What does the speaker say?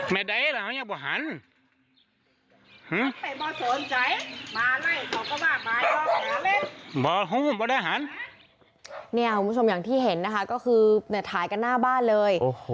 คุณผู้ชมอย่างที่เห็นนะคะก็คือถ่ายกันหน้าบ้านเลย